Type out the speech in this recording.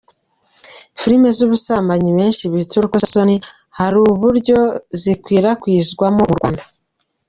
Filime z’ubusambanyi benshi bita iz’urukozasoni hari uburyo zikwirakwizwamo mu Rwanda.